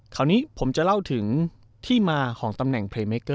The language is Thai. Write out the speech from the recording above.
คราวนี้ผมจะเล่าถึงที่มาของตำแหน่งเพลงเมเกอร์